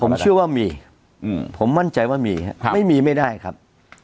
ผมเชื่อว่ามีผมมั่นใจว่ามีครับไม่มีไม่ได้ครับ